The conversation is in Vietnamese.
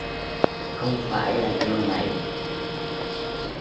Không phải là do mày